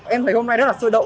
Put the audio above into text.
em thấy hôm nay rất là sôi đậu